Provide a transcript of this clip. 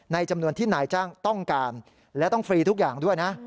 จำนวนที่นายจ้างต้องการและต้องฟรีทุกอย่างด้วยนะ